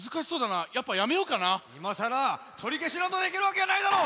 いまさらとりけしなどできるわけがないだろ！